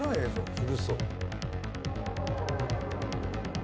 古そう。